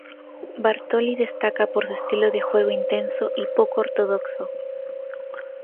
Bartoli destaca por su estilo de juego intenso y poco ortodoxo.